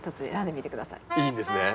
いいんですね？